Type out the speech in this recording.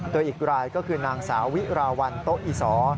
โดยอีกรายก็คือนางสาวิราวัลโต๊ะอีสอ